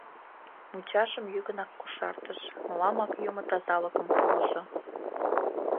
Мучашым йӱкынак кошартыш: — Мыламак юмо тазалыкым пуыжо...